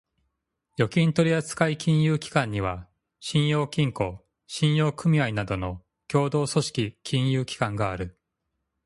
預金取扱金融機関には、信用金庫、信用組合などの協同組織金融機関がある。